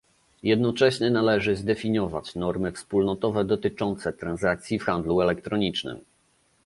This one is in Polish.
Jednocześnie należy zdefiniować normy wspólnotowe dotyczące transakcji w handlu elektronicznym